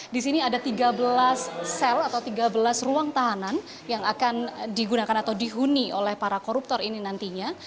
di sini ada tiga belas sel atau tiga belas ruang tahanan yang akan digunakan atau dihuni oleh para koruptor ini nantinya